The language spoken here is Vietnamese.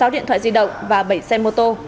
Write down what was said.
sáu điện thoại di động và bảy xe mô tô